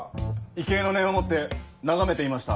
畏敬の念を持って眺めていました。